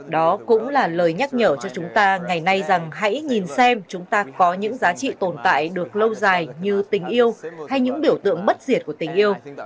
đó cũng là lời nhắc nhở cho chúng ta ngày nay rằng hãy nhìn xem chúng ta có những giá trị tồn tại được lâu dài như tình yêu hay những biểu tượng bất diệt của tình yêu